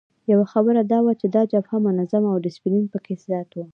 یوه خبره دا وه چې دا جبهه منظمه او ډسپلین پکې زیات وو.